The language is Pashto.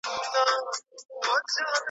څوک به تودې کړي سړې جونګړي .